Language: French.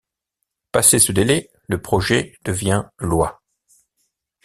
Passé ce délai, le projet devient loi.